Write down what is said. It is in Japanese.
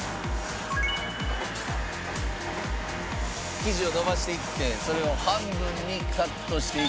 生地をのばしていってそれを半分にカットしていって。